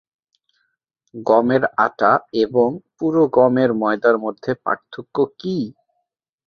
গমের আটা এবং পুরো গমের ময়দার মধ্যে পার্থক্য কী?